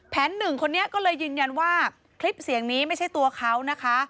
หนึ่งคนนี้ก็เลยยืนยันว่าคลิปเสียงนี้ไม่ใช่ตัวเขานะคะ